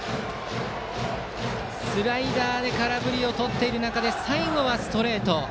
スライダーで空振りをとっている中で最後は、ストレート。